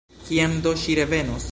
Kiam do ŝi revenos?